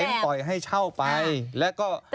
ปล่อยให้เช่าไปแล้วก็